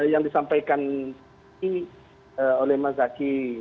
yang disampaikan oleh mas zaky